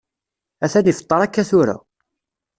Atan ifeṭṭer akka tura.